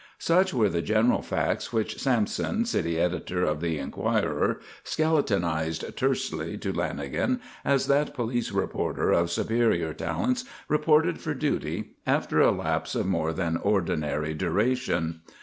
Such were the general facts which Sampson, city editor of the Enquirer, skeletonised tersely to Lanagan as that police reporter of superior talents reported for duty after a lapse of more than ordinary duration.